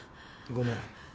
ごめん。